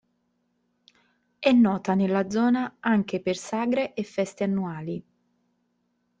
È nota nella zona anche per sagre e feste annuali.